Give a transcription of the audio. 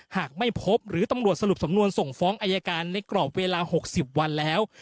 หากไม่พบหรือตำรวจสรุปสำนวนส่งฟ้องอายการในกรอบเวลา๖๐วันแล้ว